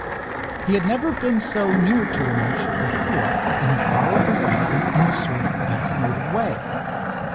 He had never been so near to an airship before, and he followed the wagon in a sort of fascinated way.